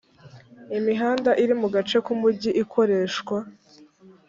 imihanda iri mu gace k umujyi ikoreshwa